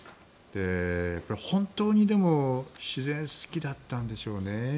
本当に自然が好きだったんでしょうね。